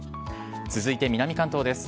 続いて南関東です。